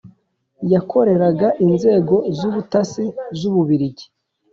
yakoreraga inzego z' ubutasi z' u bubiligi,